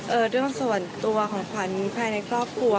เรื่องส่วนตัวของขวัญภายในครอบครัว